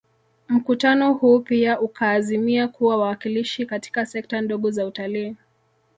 Mkutano huu pia ukaazimia kuwa wawakilishi katika sekta ndogo za utalii